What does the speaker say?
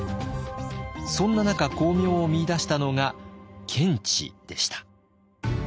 そんな中光明を見いだしたのが検地でした。